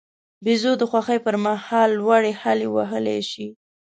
بیزو د خوښۍ پر مهال لوړې هلې وهلای شي.